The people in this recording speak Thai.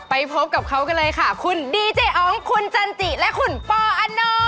ไปพบกับเขากันเลยค่ะคุณดีเจอองคุณจันจิและคุณปอนอ